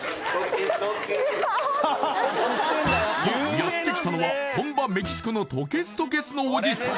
やって来たのは本場メキシコのトケストケスのおじさん